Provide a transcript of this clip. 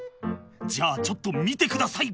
じゃあちょっと見てください！